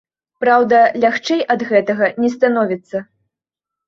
Праўда, лягчэй ад гэтага не становіцца.